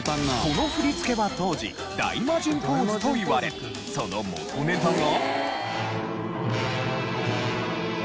この振り付けは当時「大魔神ポーズ」と言われその元ネタが。